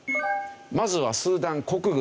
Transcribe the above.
まずはスーダン国軍。